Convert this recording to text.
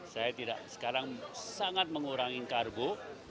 saya tidak sekarang sangat mengurangi karbo